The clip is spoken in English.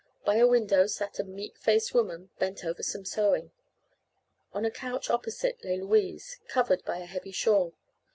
By a window sat a meek faced woman, bent over some sewing. On a couch opposite lay Louise, covered by a heavy shawl.